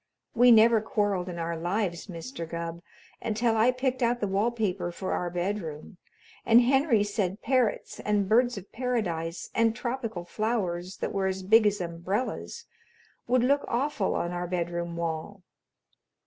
We never quarreled in our lives, Mr. Gubb, until I picked out the wall paper for our bedroom, and Henry said parrots and birds of paradise and tropical flowers that were as big as umbrellas would look awful on our bedroom wall.